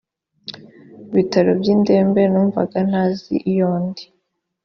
bitaro by indembe numvaga ntazi iyo ndi